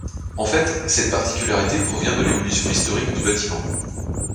En fait, cette particularité provient de l’évolution historique du bâtiment.